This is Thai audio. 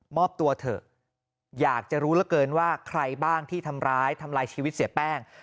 ตัวเถอะอยากจะรู้เหลือเกินว่าใครบ้างที่ทำร้ายทำลายชีวิตเสียแป้ง